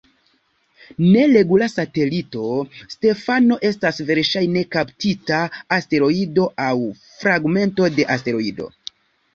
Neregula satelito, Stefano estas verŝajne kaptita asteroido aŭ fragmento de asteroido.